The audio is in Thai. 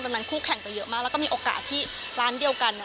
ดังนั้นคู่แข่งจะเยอะมากแล้วก็มีโอกาสที่ร้านเดียวกัน